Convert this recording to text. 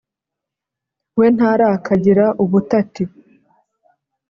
we ntarakagira ubutati